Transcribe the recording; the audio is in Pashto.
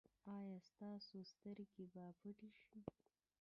ایا ستاسو سترګې به پټې شي؟